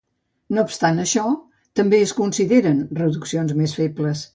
No obstant això, també es consideren reduccions més febles.